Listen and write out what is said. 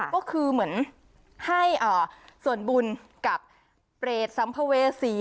ก็คือเหมือนให้ส่วนบุญกับเปรตสัมภเวษี